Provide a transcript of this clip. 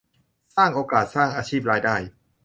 สร้างโอกาสสร้างอาชีพรายได้